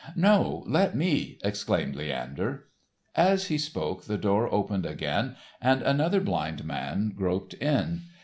"No, let me," exclaimed Leander. As he spoke the door opened again and another blind man groped in.